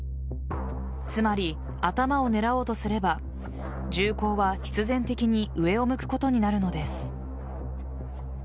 つまり、頭を狙おうとすれば銃口は必然的に上を向くことになるのです。